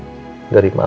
apa yang ada di rumah